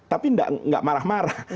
tapi tidak marah marah